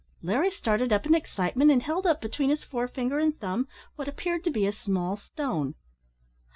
Larry started up in excitement, and held up between his fore finger and thumb what appeared to be a small stone.